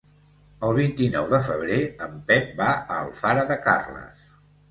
El vint-i-nou de febrer en Pep va a Alfara de Carles.